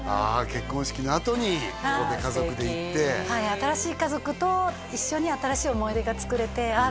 結婚式のあとに家族で行ってはい新しい家族と一緒に新しい思い出が作れてああ